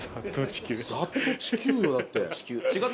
ざっと地球よだって。